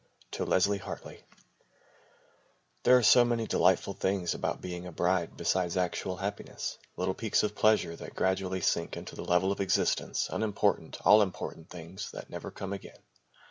[To LESLIE HARTLEY] There are so many delightful things about being a bride besides actual happiness, little peaks of pleasure that gradually sink into the level of existence, unimportant, all important things that never come again.